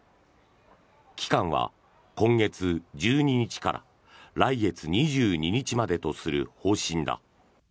期間は今月１２日から来月２２日までとする方針だ。